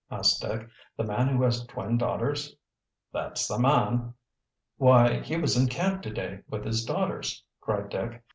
asked Dick. "The man who has twin daughters?" "That's the man." "Why, he was in camp to day, with his daughters," cried Dick.